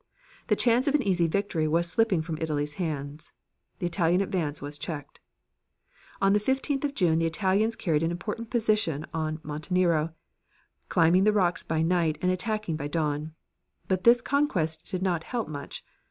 The chance of an easy victory was slipping from Italy's hands. The Italian advance was checked. On the 15th of June the Italians carried an important position on Monte Nero, climbing the rocks by night and attacking by dawn. But this conquest did not help much.